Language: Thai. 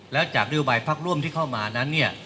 แล้วจากนโยบายพักร่วมที่เข้ามานั้นเนี่ย